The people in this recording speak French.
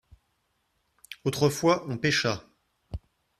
autrefois on pêcha.